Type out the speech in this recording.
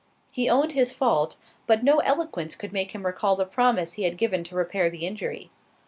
He owned his fault, but no eloquence could make him recall the promise he had given to repair the injury.